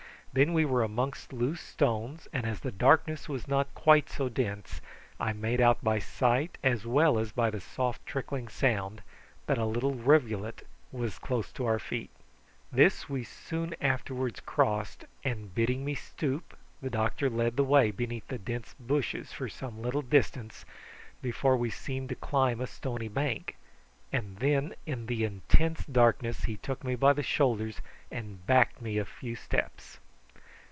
Then we were amongst loose stones, and as the darkness was not quite so dense I made out by sight as well as by the soft trickling sound, that a little rivulet was close to our feet. This we soon afterwards crossed, and bidding me stoop the doctor led the way beneath the dense bushes for some little distance before we seemed to climb a stony bank, and then in the intense darkness he took me by the shoulders and backed me a few steps.